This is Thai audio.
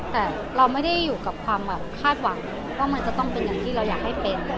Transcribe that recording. แต่เราไม่ได้อยู่กับความคาดหวังว่ามันจะต้องเป็นอย่างที่เราอยากให้เป็น